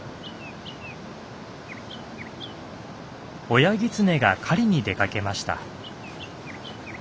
親ギツネが狩りに出かけました。